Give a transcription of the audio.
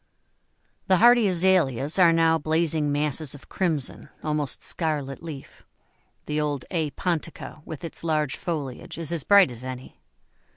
The hardy Azaleas are now blazing masses of crimson, almost scarlet leaf; the old A. pontica, with its large foliage, is as bright as any.